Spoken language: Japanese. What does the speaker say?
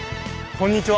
こんにちは。